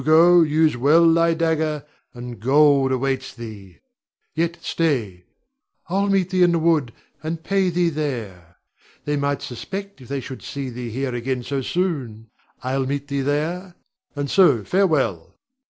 Hugo, use well thy dagger, and gold awaits thee. Yet, stay! I'll meet thee in the wood, and pay thee there. They might suspect if they should see thee here again so soon. I'll meet thee there, and so farewell.